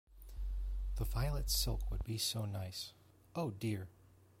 The violet silk would be so nice; oh, dear!